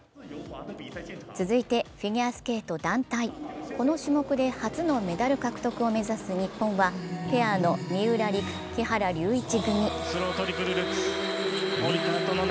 続いてフィギュアスケート団体、この試合で初のメダル獲得を目指す日本は、ペアの三浦璃来・木原龍一組。